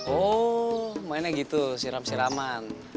oh mainnya gitu siram siraman